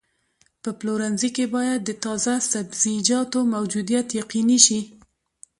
په پلورنځي کې باید د تازه سبزیجاتو موجودیت یقیني شي.